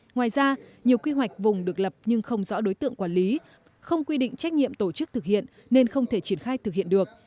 ngoài ra nhiều quy hoạch vùng được lập nhưng không rõ đối tượng quản lý không quy định trách nhiệm tổ chức thực hiện nên không thể triển khai thực hiện được